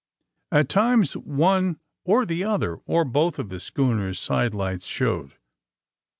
At times one or the other, or both of the schooner 's side lights showed.